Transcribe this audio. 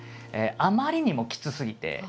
あまりにもきつすぎて。